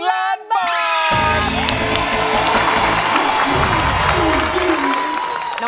ล้านบาท